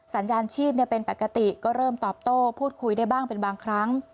สัญญาณชีพเป็นปกติก็เริ่มตอบโต้พูดคุยได้บ้างเป็นบางครั้ง